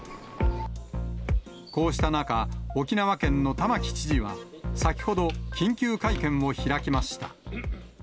こうした中、沖縄県の玉城知事は、先ほど緊急会見を開きました。